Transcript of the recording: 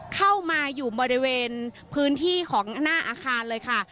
เข้ามาอยู่บริเวณพื้นที่ของหน้าอาคารเลยค่ะ